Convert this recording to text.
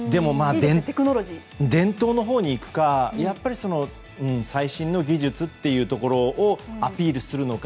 伝統のほうにいくか最新の技術っていうところをアピールするのか。